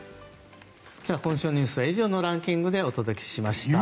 今週のニュースは以上のランキングでお届けしました。